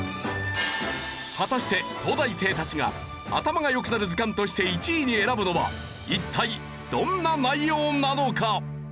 果たして東大生たちが頭が良くなる図鑑として１位に選ぶのは一体どんな内容なのか？